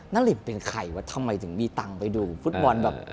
นารินเป็นใครวะทำไมถึงมีตังค์ไปดูฟุตบอลแบบ